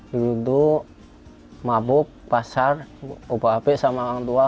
dulu itu mabuk pasar oba obe sama orang tua